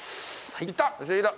いった！